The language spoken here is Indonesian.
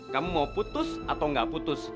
kamu mau putus atau nggak putus